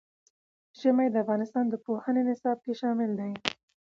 ژمی د افغانستان د پوهنې نصاب کې شامل دي.